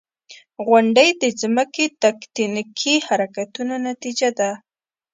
• غونډۍ د ځمکې د تکتونیکي حرکتونو نتیجه ده.